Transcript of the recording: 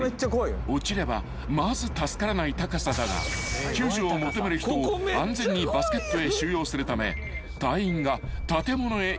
［落ちればまず助からない高さだが救助を求める人を安全にバスケットへ収容するため隊員が建物へ移動する］